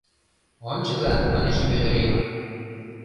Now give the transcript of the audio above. — Ончыза! — манеш Вӧдыр Йыван.